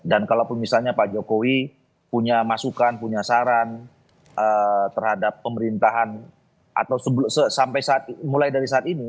dan kalau misalnya pak jokowi punya masukan punya saran terhadap pemerintahan atau sampai mulai dari saat ini